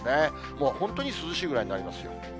もう本当に涼しいぐらいになりますよ。